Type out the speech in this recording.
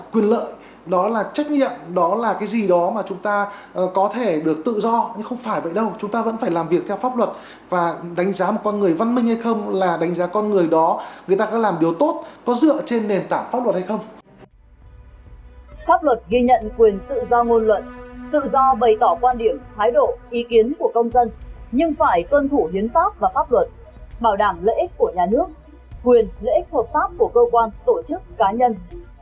quyền lợi ích hợp pháp của cơ quan tổ chức cá nhân